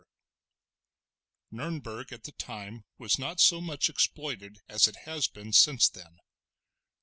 The Squaw Nurnberg at the time was not so much exploited as it has been since then.